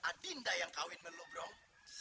adinda yang kawin melukong